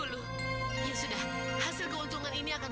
kalian pergi ke geli terawangan